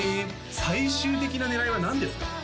最終的な狙いは何ですか？